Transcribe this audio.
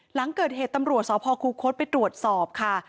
หลังเกิดเหตุตำรวจสพคูคศไปตรวจสอบค่ะ